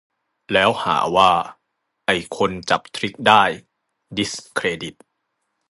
แล้วหาว่าไอ้คนจับทริกได้'ดิสเครดิต'